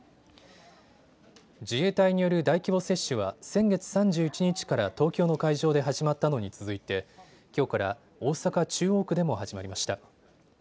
自衛隊による大規模接種は先月３１日から東京の会場で始まったのに続いてきょうから大阪中央区でも始まりました。